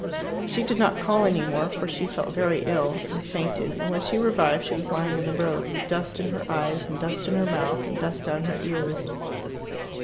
She did not call any more, for she felt very ill, and fainted; and when she revived she was lying in the road, with dust in her eyes, and dust in her mouth, and dust down her ears.